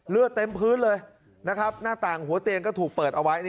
เลือดเต็มพื้นเลยนะครับหน้าต่างหัวเตียงก็ถูกเปิดเอาไว้